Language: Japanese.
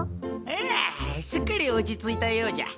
ああすっかり落ち着いたようじゃ。